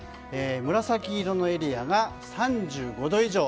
紫色のエリアが３５度以上。